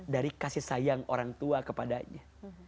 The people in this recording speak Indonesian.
dari kasih sayang orang tua kepadanya